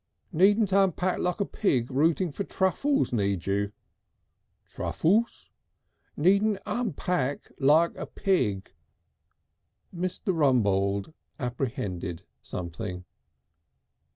"Needn't unpack like a pig rooting for truffles, need you?" "Truffles?" "Needn't unpack like a pig." Mr. Rumbold apprehended something.